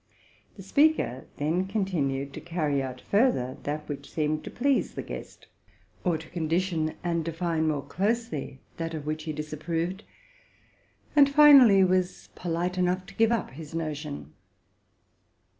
The speaker then continued to carry out further that which seemed to please the guest, or to qualify and define more nearly that of which he disapproved, and, finally, was polite enough to give up his notion.